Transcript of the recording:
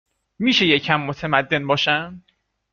میشه یه کم متمدن باشن؟